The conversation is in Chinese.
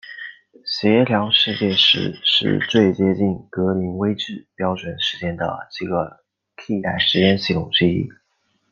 协调世界时是最接近格林威治标准时间的几个替代时间系统之一。